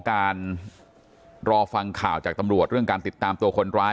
การรอฟังข่าวจากตำรวจเรื่องการติดตามตัวคนร้าย